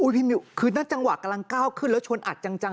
มิวคือนั่นจังหวะกำลังก้าวขึ้นแล้วชนอัดจัง